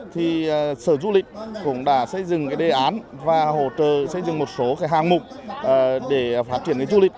thì sở du lịch cũng đã xây dựng cái đề án và hỗ trợ xây dựng một số hàng mục để phát triển du lịch